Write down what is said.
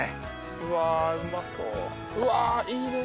うわうまそううわいいね！